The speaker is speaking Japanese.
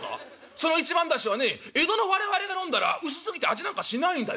「その一番だしはね江戸の我々がのんだら薄すぎて味なんかしないんだよ。